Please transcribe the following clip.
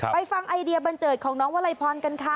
ฟังไอเดียบันเจิดของน้องวลัยพรกันค่ะ